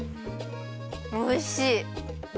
おいしい！